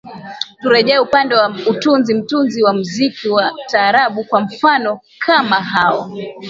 turejee upande wa utunzi mtunzi wa muziki wa taarabu kwa mfano kama hao